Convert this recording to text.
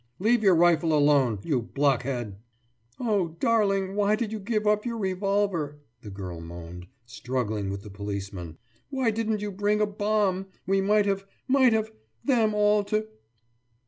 Leave your rifle alone, you block head!« »Oh, darling, why did you give up your revolver?« the girl moaned, struggling with the policeman. »Why didn't you bring a bomb? We might have ... might have ... them all to....